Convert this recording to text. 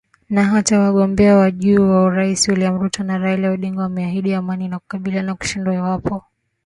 Na hata wagombea wa juu wa urais William Ruto na Raila Odinga wameahidi amani na kukubali kushindwa iwapo upigaji kura utakuwa huru na wa haki